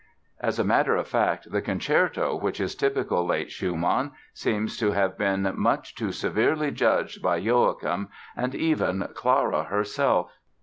As a matter of fact the concerto, which is typical late Schumann, seems to have been much too severely judged by Joachim and even Clara herself.